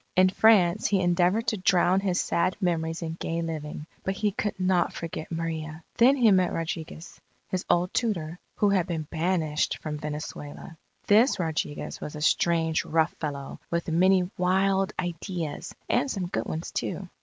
In France he endeavoured to drown his sad memories in gay living, but he could not forget Maria. Then he met Rodriguez, his old tutor, who had been banished from Venezuela. This Rodriguez was a strange, rough fellow, with many wild ideas and some good ones too.